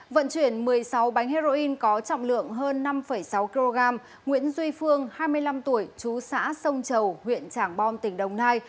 vận chuyển một mươi sáu bánh heroin có trọng lượng hơn năm sáu kg nguyễn duy phương hai mươi năm tuổi chú xã sông chầu huyện trảng bom tỉnh đồng nai